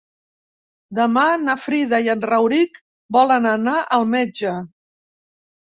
Demà na Frida i en Rauric volen anar al metge.